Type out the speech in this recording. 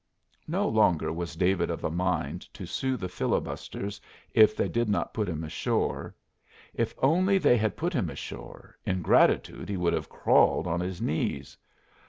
No longer was David of a mind to sue the filibusters if they did not put him ashore. If only they had put him ashore, in gratitude he would have crawled on his knees.